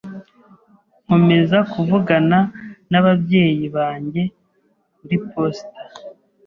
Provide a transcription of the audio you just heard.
Nkomeza kuvugana n'ababyeyi banjye kuri posita.